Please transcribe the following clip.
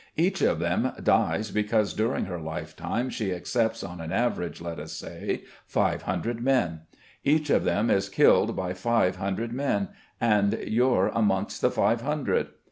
Each of them dies because during her lifetime she accepts on an average, let us say, five hundred men. Each of them is killed by five hundred men, and you're amongst the five hundred.